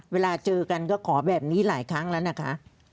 เวลาเจอกันก็ขอแบบนี้หลายครั้งแล้วนะคะ